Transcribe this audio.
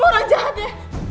kamu orang jahat ya